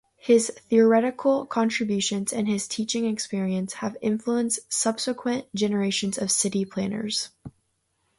His theoretical contributions and his teaching experience have influenced subsequent generations of city planners.